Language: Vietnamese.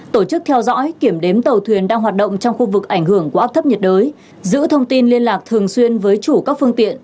tổ chức theo dõi kiểm đếm tàu thuyền đang hoạt động trong khu vực ảnh hưởng của áp thấp nhiệt đới giữ thông tin liên lạc thường xuyên với chủ các phương tiện